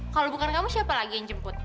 kalau bukan kamu siapa lagi yang jemput